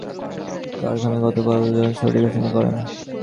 শ্রমিক অসন্তোষের কারণে দুটি কারখানা গতকালের জন্য ছুটি ঘোষণা করা হয়।